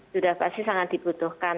sudah pasti sangat dibutuhkan